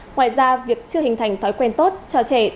ngoài ra việc chưa hình thành thói quen tốt cho trẻ